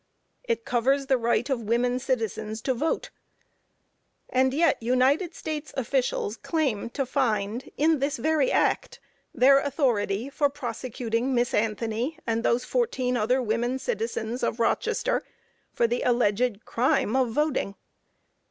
It covers the right of women citizens to vote, and yet United States officials claim to find in this very act, their authority for prosecuting Miss Anthony and those fourteen other women citizens of Rochester for the alleged crime of voting.